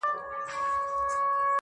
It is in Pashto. ما چي ګولیو ته سینه سپرول!